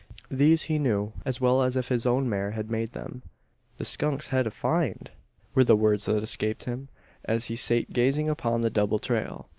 These he knew, as well as if his own mare had made them. "The skunk's hed a find!" were the words that escaped him, as he sate gazing upon the double trail.